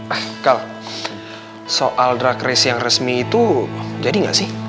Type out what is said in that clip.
ah kal soal drag race yang resmi itu jadi gak sih